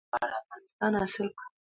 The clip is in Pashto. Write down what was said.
چې ووايي موږ غواړو افغانستان حاصل کړو.